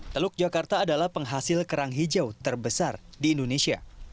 teluk jakarta adalah penghasil kerang hijau terbesar di indonesia